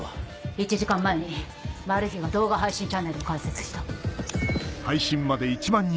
１時間前にマル被が動画配信チャンネルを開設した。